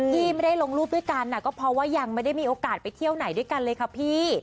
ที่ไม่ได้ลงรูปด้วยกันก็เพราะว่ายังไม่ได้มีโอกาสไปเที่ยวไหนด้วยกันเลยค่ะพี่